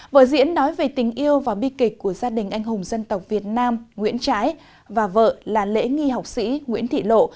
vợ diễn nói về tình yêu và bi kịch của gia đình anh hùng dân tộc việt nam nguyễn trái và vợ là lễ nghi học sĩ nguyễn thị lộ